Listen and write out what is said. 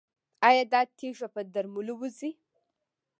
ایا دا تیږه په درملو وځي؟